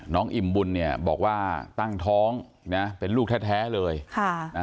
อิ่มบุญเนี่ยบอกว่าตั้งท้องนะเป็นลูกแท้แท้เลยค่ะนะ